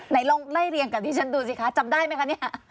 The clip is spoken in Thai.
ไหนลองไล่เรียงกับที่ฉันดูสิคะจำได้ไหมคะเนี่ย